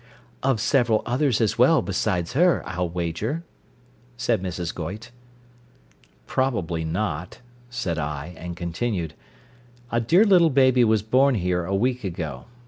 "Of several others as well, beside her, I'll wager," said Mrs. Goyte. "Probably not," said I, and continued. "'A dear little baby was born here a week ago.